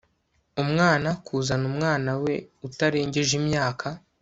umwana kuzana umwana we utarengeje imyaka